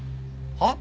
はっ？